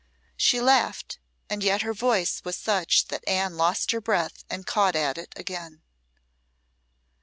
She laughed, and yet her voice was such that Anne lost her breath and caught at it again.